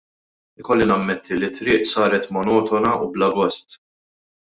Ikolli nammetti li t-triq saret monotona u bla gost.